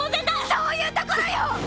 そういうところよ！